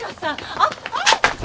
あっああっ！